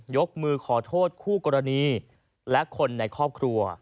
ยกมือขอโทษคู่กรณีและคนในครอบครัว